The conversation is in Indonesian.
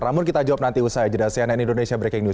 namun kita jawab nanti usai jeda cnn indonesia breaking news